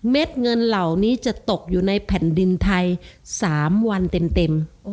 เงินเหล่านี้จะตกอยู่ในแผ่นดินไทย๓วันเต็ม